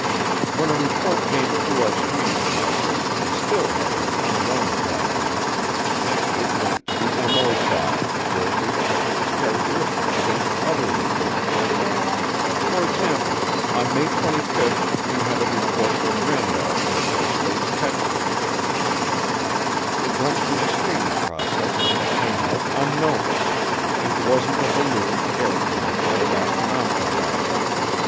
When a report came through our screening process and still had the "Unknown" tag on it, it went to the MO file, where we checked its characteristics against other reports. For example, on May 25 we had a report from Randolph AFB, Texas. It went through the screening process and came out "Unknown"; it wasn't a balloon, airplane, or astronomical body.